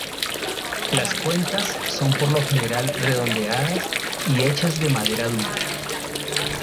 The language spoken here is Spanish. Las cuentas son por lo general redondeadas y hechas de madera dura.